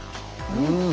うん！